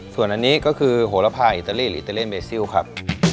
ส่วนอันนี้ก็คือโหระพาอิตาลีหรืออิตาเลียนเบซิลครับ